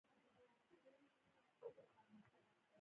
وروسته هابل ثابته کړه چې زموږ کهکشان د میلیاردونو له جملې یو دی.